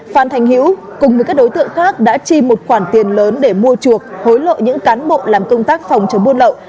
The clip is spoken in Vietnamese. phan thành hữu cùng với các đối tượng khác đã chi một khoản tiền lớn để mua chuộc hối lộ những cán bộ làm công tác phòng chống buôn lậu